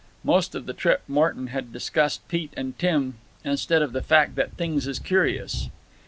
Most of the trip Morton had discussed Pete and Tim instead of the fact that "things is curious."